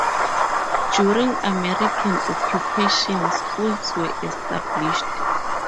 During American occupation schools were established.